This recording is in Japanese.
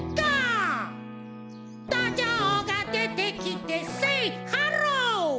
どじょうがでてきてセイハロー！